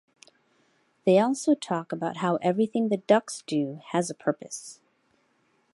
They also talk about how everything the ducks do has a purpose.